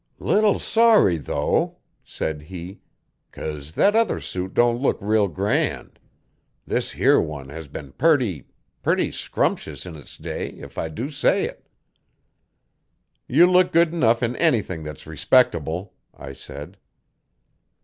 'Leetle sorry, though,' said he, 'cuz that other suit don' look reel grand. This here one has been purty purty scrumptious in its day if I do say it.' 'You look good enough in anything that's respectable,' I said.